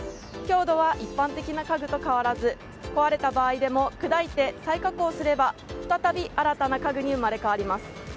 強度は一般的な家具と変わらず壊れた場合でも砕いて再加工すれば再び新たな家具に生まれ変わります。